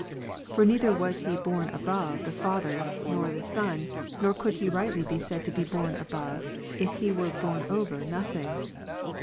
For neither was He borne above the Father, nor the Son, nor could He rightly be said to be borne above, if He were borne over nothing.